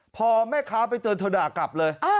พอแม่ค้าไปเตือนเธอด่ากลับเลย